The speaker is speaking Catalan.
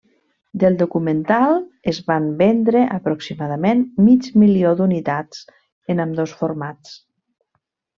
Del documental es van vendre aproximadament mig milió d'unitats en ambdós formats.